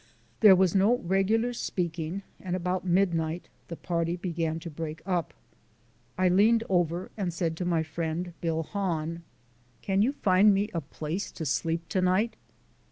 There was no regular speaking, and about midnight the party began to break up. I leaned over and said to my friend Bill Hahn: "Can you find me a place to sleep tonight?"